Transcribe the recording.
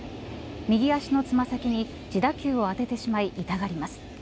右足のつま先に自打球を当ててしまい、痛がります。